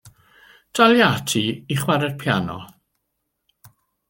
Dalia ati i chwarae'r piano.